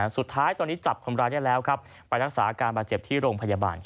สุดท้ายตอนนี้จับคนร้ายนี้แล้วไปที่โรงพยาบาล